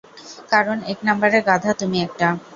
কারন এক নাম্বারের গাধা তুমি একটা।